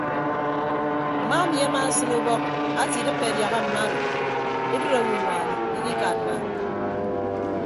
Mma emi amaasịn ubọk ate idịppe adiaha mma arịd udịd owoñwaan ikikanna.